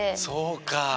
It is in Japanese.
そうか。